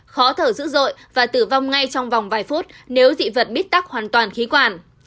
khó thở dữ dội và tử vong ngay trong vòng vài phút nếu dị vật biết tắt hoàn toàn khí quản